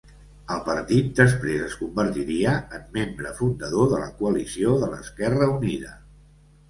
El partit després es convertiria en membre fundador de la coalició de l'Esquerra Unida.